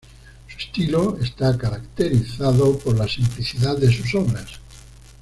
Su estilo está caracterizado por la simplicidad de sus obras.